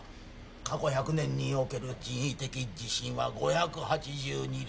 過去１００年における人為的地震は５８２例